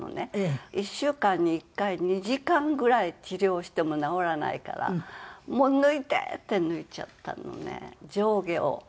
１週間に１回２時間ぐらい治療しても治らないから「もう抜いて！」って抜いちゃったのね上下を。